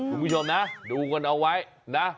คุณผู้ชมนะดูกันเอาไว้นะ